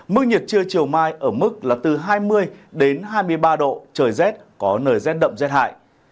mức nhiệt trưa chiều mai ở mức là từ hai mươi đến hai mươi ba độ trời rét có nơi rét đậm rét hại